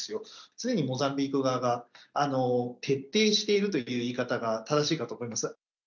常にモザンビーク側が徹底しているという言い方が正しいかと思います。